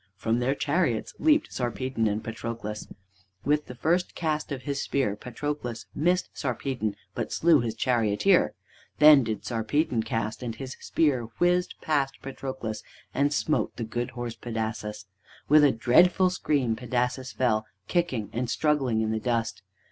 From their chariots leaped Sarpedon and Patroclus. With the first cast of his spear Patroelus missed Sarpedon, but slew his charioteer. Then did Sarpedon cast, and his spear whizzed past Patroclus, and smote the good horse Pedasus. With a dreadful scream Pedasus fell, kicking and struggling, in the dust.